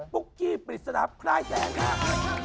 ุ๊กกี้ปริศนาพลายแสงครับ